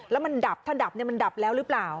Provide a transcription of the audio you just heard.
แล้วมันดับถ้าดับมันดับแล้วหรือเปล่า